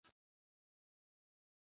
总部位于分别英国。